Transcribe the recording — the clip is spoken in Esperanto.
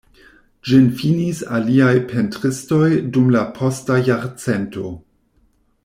Ĝin finis aliaj pentristoj dum la posta jarcento.